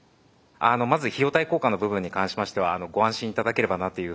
まず費用対効果の部分に関しましてはご安心頂ければなという